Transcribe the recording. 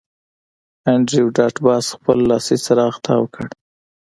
انډریو ډاټ باس خپل لاسي څراغ تاو کړ